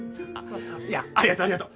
ありがとうありがとう。